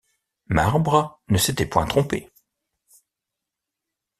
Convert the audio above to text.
Marbre ne s’était point trompé.